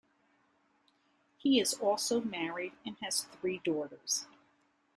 He is also married and has three daughters.